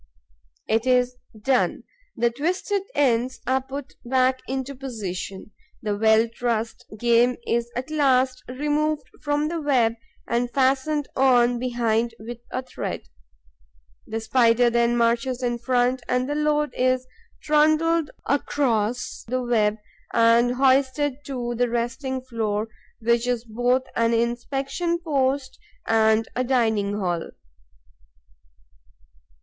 It is done; the twisted ends are put back into position. The well trussed game is at last removed from the web and fastened on behind with a thread. The Spider then marches in front and the load is trundled across the web and hoisted to the resting floor, which is both an inspection post and a dining hall.